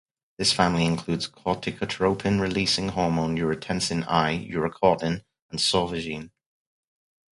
This family includes corticotropin-releasing hormone, urotensin-I, urocortin, and sauvagine.